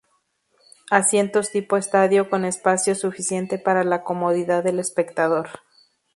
Asientos tipo estadio con espacio suficiente para la comodidad del espectador.